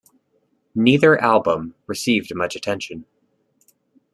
Neither album received much attention.